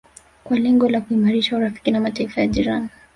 kwa lengo la kuimarisha urafiki na Mataifa ya jirani